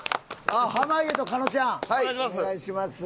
あっ濱家と狩野ちゃん？お願いします。